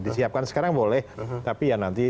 disiapkan sekarang boleh tapi ya nanti